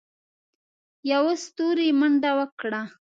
يوه ستوري منډه وکړه.